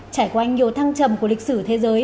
trải qua nhiều thăng trầm của lịch sử thế giới